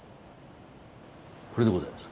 これでございます